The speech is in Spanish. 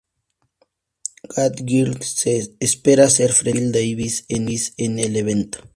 Chad Griggs se espera hacer frente a Phil Davis en el evento.